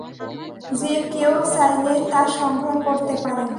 যে কেউ চাইলেই তা সংগ্রহ করতে পারেন।